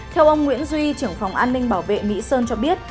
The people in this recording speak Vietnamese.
theo ông nguyễn duy trưởng phòng an ninh bảo vệ mỹ sơn cho biết